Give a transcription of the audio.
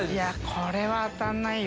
これは当たらないよ。